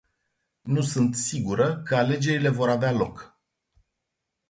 Nu sunt sigură că alegerile vor avea loc.